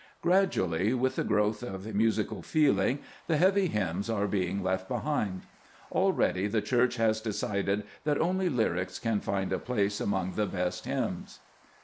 Gradually, with the growth of musical feeling, the heavy hymns are being left behind. Already the Church has decided that only lyrics can find a place among the best hymns.